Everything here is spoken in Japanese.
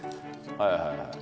はいはいはい。